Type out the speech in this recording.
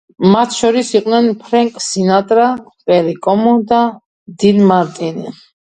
მათ შორის იყვნენ ფრენკ სინატრა, პერი კომო და დინ მარტინი.